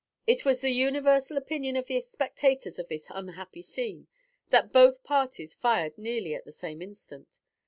] It was the universal opinion of the spectators of this unhappy scene that both parties fired nearly at the same instant.